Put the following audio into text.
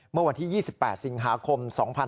เมื่อวันที่๒๘สิงหาคม๒๕๖๒